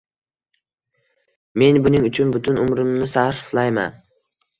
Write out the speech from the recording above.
Men buning uchun butun umrimni sarflayman.